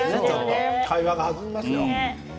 会話が弾みますよ。